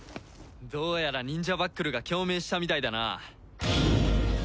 どうやらニンジャバックルが共鳴したみたいだな。